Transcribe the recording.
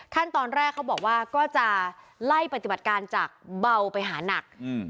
ขั้นตอนแรกเขาบอกว่าก็จะไล่ปฏิบัติการจากเบาไปหานัก